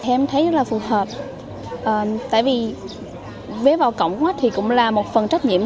em thấy rất là phù hợp tại vì ghế vào cổng thì cũng là một phần trách nhiệm